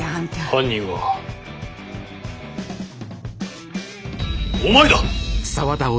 犯人はお前だ！